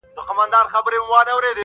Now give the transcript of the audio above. چي په هره برخه کي د اورېدونکو